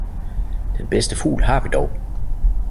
Den bedste fugl har vi dog!